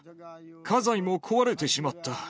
家財も壊れてしまった。